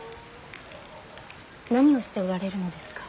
何をしておられるのですか。